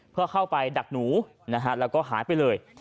เพื่อเข้าไปดักหนูนะฮะแล้วก็หายไปเลย